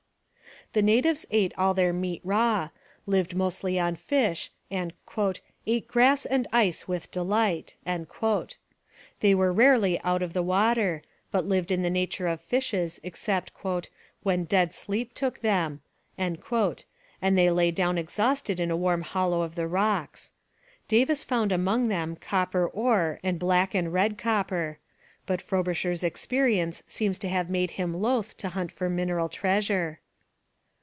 The natives ate all their meat raw, lived mostly on fish and 'ate grass and ice with delight.' They were rarely out of the water, but lived in the nature of fishes except when 'dead sleep took them,' and they lay down exhausted in a warm hollow of the rocks. Davis found among them copper ore and black and red copper. But Frobisher's experience seems to have made him loath to hunt for mineral treasure.